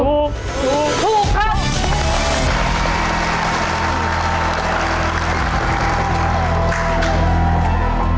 ถูกครับ